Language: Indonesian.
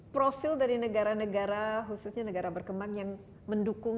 profil dari negara negara khususnya negara berkembang yang mendukung